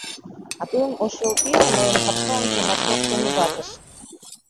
А тудын Ошйол пийже мыйым капка ончыл марте оптен ужатыш.